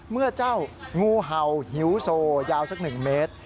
เมื่อเจ้างูเห่าหิวโซยาวสัก๑เมตร